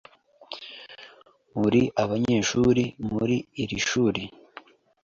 Muri abanyeshuri muri iri shuri?